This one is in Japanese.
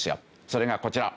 それがこちら。